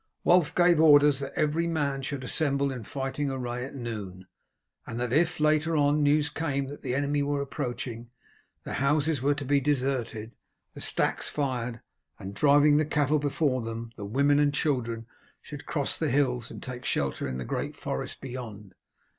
Wulf gave orders that every man should assemble in fighting array at noon, and that if, later on, news came that the enemy were approaching, the houses were to be deserted, the stacks fired, and, driving the cattle before them, the women and children should cross the hills and take shelter in the great forest beyond.